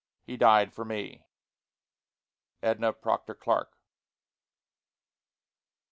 he died for me! EDNAH PROCTOR CLARKE.